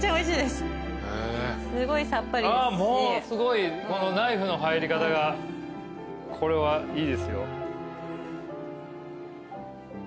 すごいこのナイフの入り方が。これはいいですよ。